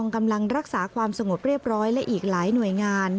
กำลังรักษาความสงบเรียบร้อยและอีกหลายหน่วยงาน